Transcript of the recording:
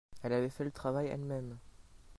Elle avait fait le travail elle-même.